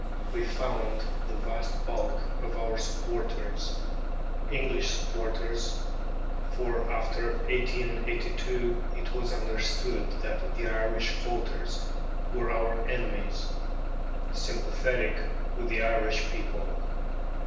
We found the vast bulk of our supporters English supporters, for after 1882 it was understood that the Irish voters were our enemies sympathetic with the Irish people.